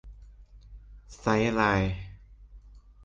ไซด์ไลน์